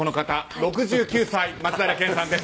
６９歳、松平健さんです。